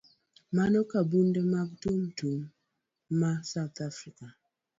Mana ka bunde mag Tum Tum ma South Afrika.